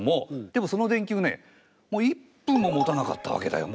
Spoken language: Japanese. でもその電球ねもう１分ももたなかったわけだよ。